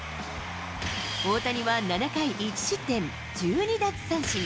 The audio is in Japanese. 大谷は７回１失点１２奪三振。